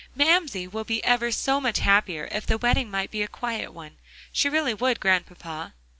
"Mamsie will be ever so much happier if the wedding might be a quiet one. She really would, Grandpapa."